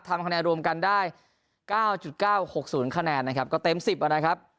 ทำคะแนนรวมกันได้๙๙๖๐คะแนนนะครับก็เต็ม๑๐นะครับ